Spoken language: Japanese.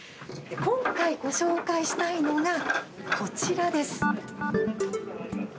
今回ご紹介したいのがこちらです。